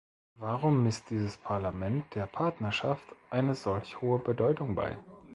Warum misst dieses Parlament der Partnerschaft eine solch hohe Bedeutung bei?